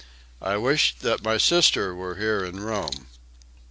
"I wish that my sister were here in Rome.